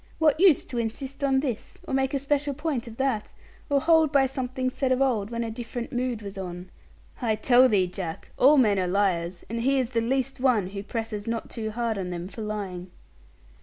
What use to insist on this, or make a special point of that, or hold by something said of old, when a different mood was on? I tell thee, Jack, all men are liars; and he is the least one who presses not too hard on them for lying.'